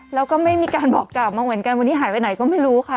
แล้วก็ไม่มีการบอกกล่าวมาเหมือนกันวันนี้หายไปไหนก็ไม่รู้ค่ะ